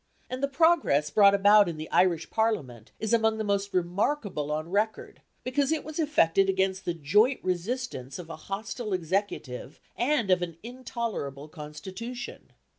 And the progress brought about in the Irish Parliament is among the most remarkable on record, because it was effected against the joint resistance of a hostile Executive and of an intolerable constitution.